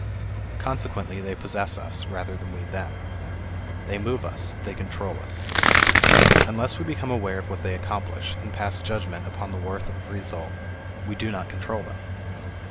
Consequently they possess us, rather than we them. They move us; they control us. Unless we become aware of what they accomplish, and pass judgment upon the worth of the result, we do not control them.